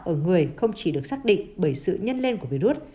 ở người không chỉ được xác định bởi sự nhân lên của virus